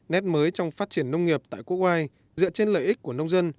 nét mới trong phát triển nông nghiệp tại quốc ngoài dựa trên lợi ích của nông dân